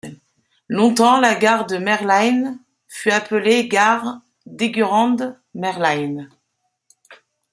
Longtemps la gare de Merlines fut appelée gare d'Eygurande-Merlines.